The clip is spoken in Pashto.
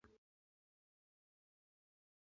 که خویندې ژبپوهې وي نو لغاتونه به نه ورکیږي.